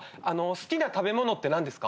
好きな食べ物って何ですか？